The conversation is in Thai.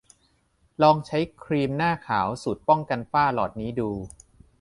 ลองใช้ครีมหน้าขาวสูตรป้องกันฝ้าหลอดนี้ดู